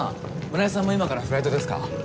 村井さんも今からフライトですか？